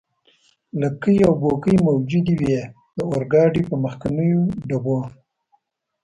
لکۍ او بوکۍ موجودې وې، د اورګاډي پر مخکنیو ډبو.